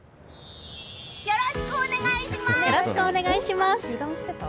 よろしくお願いします！